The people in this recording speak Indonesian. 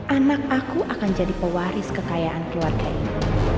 anak aku akan jadi pewaris kekayaan keluarga ini